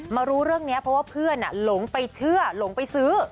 รู้เรื่องนี้เพราะว่าเพื่อนหลงไปเชื่อหลงไปซื้อ